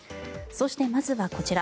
そしてまずはこちら。